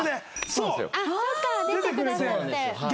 そっか出てくださって。